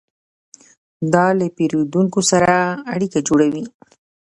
دا له پیرودونکو سره اړیکه جوړوي.